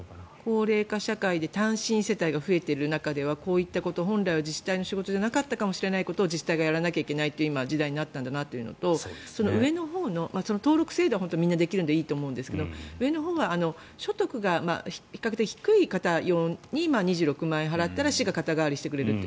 高齢化社会で単身世帯が増えている中ではこういったこと本来は自治体の仕事じゃなかったかもしれないことを自治体がやらなきゃいけないという時代になったんだなというのと登録制度はみんなできるのでいいと思うけど上のほうは所得が比較的低い方用に２６万円払ったら市が肩代わりしてくれるって。